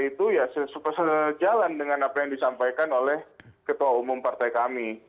itu ya sejalan dengan apa yang disampaikan oleh ketua umum partai kami